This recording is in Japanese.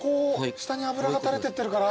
下に脂が垂れてってるから。